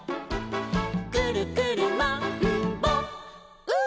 「くるくるマンボウ！」